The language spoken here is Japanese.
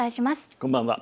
こんばんは。